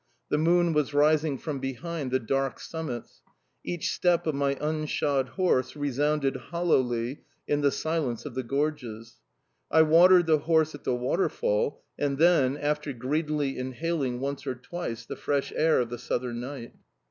The moon was rising from behind the dark summits. Each step of my unshod horse resounded hollowly in the silence of the gorges. I watered the horse at the waterfall, and then, after greedily inhaling once or twice the fresh air of the southern night.